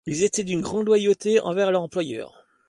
Ils étaient d'une grande loyauté envers leurs employeurs.